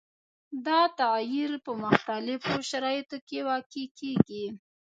دا تغیر په مختلفو شرایطو کې واقع کیږي.